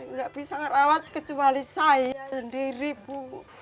nggak bisa ngerawat kecuali saya sendiri bu